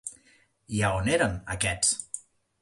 I a on eren aquests?